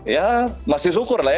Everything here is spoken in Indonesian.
ya masih syukur lah ya